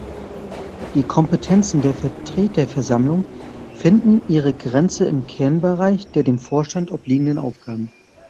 Die Kompetenzen der Vertreterversammlung finden ihre Grenze im Kernbereich der dem Vorstand obliegenden Aufgaben.